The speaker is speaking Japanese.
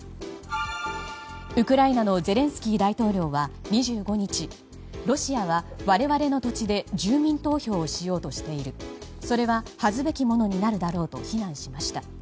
ウクライナのゼレンスキー大統領は２５日ロシアは我々の土地で住民投票をしようとしているそれは恥ずべきものになるだろうと非難しました。